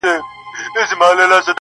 مار يې ولیدی چي پروت وو بېگمانه!!